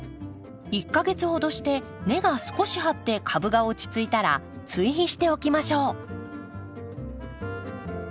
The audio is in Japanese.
１か月ほどして根が少し張って株が落ち着いたら追肥しておきましょう。